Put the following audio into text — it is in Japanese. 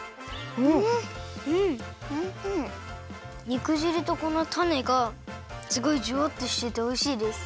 肉じるとこのタネがすごいジュワッとしてておいしいです。